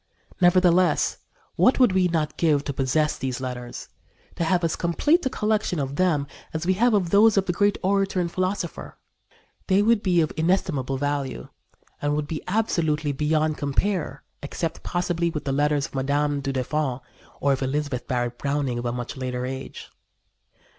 Nevertheless, what would we not give to possess these letters to have as complete a collection of them as we have of those of the great orator and philosopher. They would be of inestimable value and would be absolutely beyond compare, except, possibly, with the letters of Mme. du Deffand or of Elizabeth Barrett Browning of a much later age.